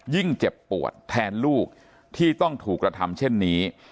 เจ็บปวดแทนลูกที่ต้องถูกกระทำเช่นนี้